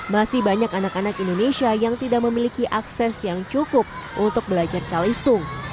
masih banyak anak anak indonesia yang tidak memiliki akses yang cukup untuk belajar calistung